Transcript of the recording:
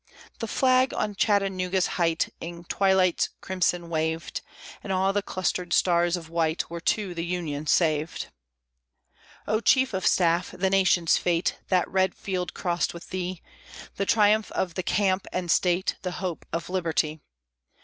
The flag on Chattanooga's height In twilight's crimson waved, And all the clustered stars of white Were to the Union saved. O chief of staff! the nation's fate That red field crossed with thee, The triumph of the camp and state, The hope of liberty!